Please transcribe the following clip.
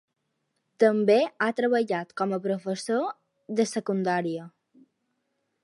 També ha treballat com a professor de secundària.